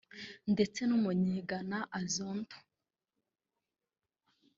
ndetse n’umunyeghana Azonto